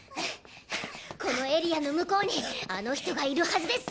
このエリアの向こうにあの人がいるはずです。